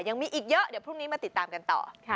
ยังมีอีกเยอะเดี๋ยวพรุ่งนี้มาติดตามกันต่อ